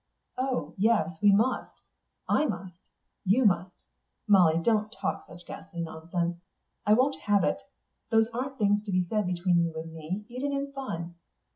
"Oh, yes, we must. I must, you must. Molly, don't talk such ghastly nonsense. I won't have it. Those aren't things to be said between you and me, even in fun."